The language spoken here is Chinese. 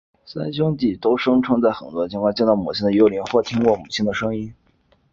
三兄弟都声称在很多场合见到过母亲的幽灵或者听到过母亲的声音。